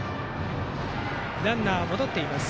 ランナーは戻っています。